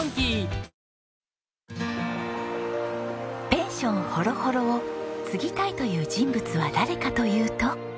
ペンションほろほろを継ぎたいという人物は誰かというと。